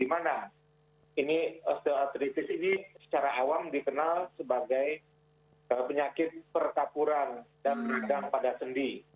di mana osteoartritis ini secara awam dikenal sebagai penyakit perkapuran dan beridang pada sendi